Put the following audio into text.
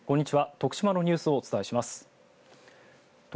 徳島のニュースをお伝えします。